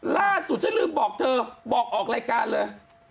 ล่าสุดฉันลืมบอกเธอบอกออกรายการเลย